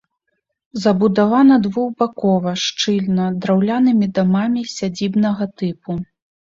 Забудавана двухбакова, шчыльна, драўлянымі дамамі сядзібнага тыпу.